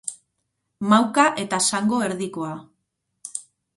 Mauka eta zango erdikoa.